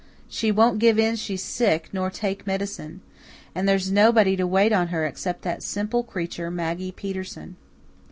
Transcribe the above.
She won't give in she's sick, nor take medicine. And there's nobody to wait on her except that simple creature, Maggie Peterson."